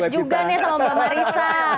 iya duet juga nih sama mbak marissa